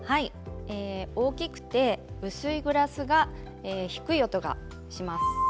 大きくて薄いグラスは低い音がします。